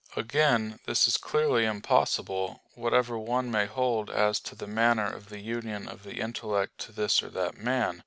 Again, this is clearly impossible, whatever one may hold as to the manner of the union of the intellect to this or that man.